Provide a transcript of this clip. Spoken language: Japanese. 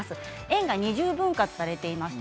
円が２０分割されています。